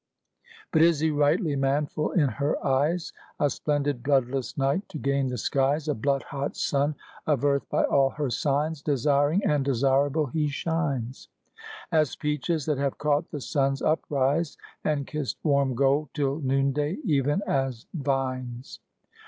But is he rightly manful in her eyes, A splendid bloodless knight to gain the skies, A blood hot son of Earth by all her signs, Desireing and desireable he shines; As peaches, that have caught the sun's uprise And kissed warm gold till noonday, even as vines.